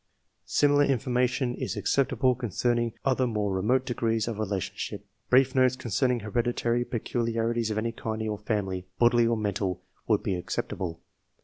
Similar information is acceptable concerning other more remote degrees of relation ship. Brief notes concerning hereditary peculiari ties of any kind in your family, bodily or mental, would be acceptable.